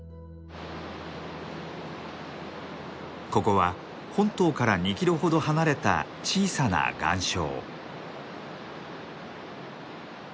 ここは本島から２キロほど離れた小さな岩礁。